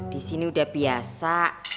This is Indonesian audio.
di sini udah biasa